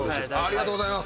ありがとうございます。